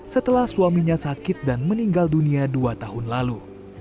setelah suaminya sakit dan meninggal dunia dua tahun lalu